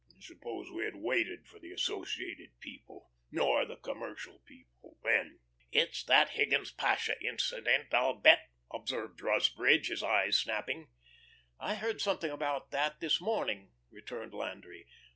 Suppose we had waited for the Associated people or the Commercial people then?" "It's that Higgins Pasha incident, I'll bet," observed Rusbridge, his eyes snapping. "I heard something about that this morning," returned Landry.